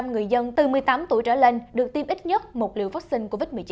tám mươi một bảy người dân từ một mươi tám tuổi trở lên được tiêm ít nhất một liều vaccine covid một mươi chín